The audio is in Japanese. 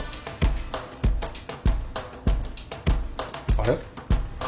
あれ？